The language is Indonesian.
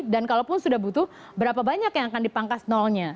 dan kalaupun sudah butuh berapa banyak yang akan dipangkas nolnya